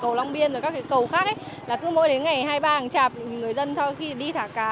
cầu long biên và các cầu khác mỗi ngày hai mươi ba tháng chạp người dân khi đi thả cá